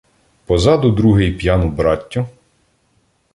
Позаду другий п'яну браттю